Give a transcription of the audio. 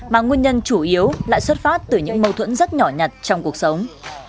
mà nguyên nhân chủ yếu lại xuất phát từ những mâu thuẫn rất nhỏ nhặt trong cuộc sống